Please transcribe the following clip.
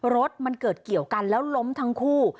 รถมันเกิดเกี่ยวกันแล้วล้มทั้งคู่